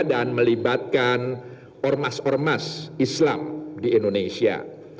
dan melibatkan ormas ormas islam di indonesia